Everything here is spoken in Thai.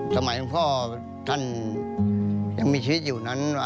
สมัยหลวงพ่อท่านยังมีชีวิตอยู่